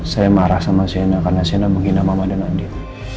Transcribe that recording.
saya marah sama sienna karena sienna menghina mama dengan dia